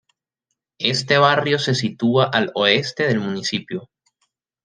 Este barrio se sitúa al oeste del municipio.